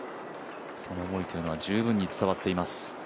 その思いというのは十分に伝わっています。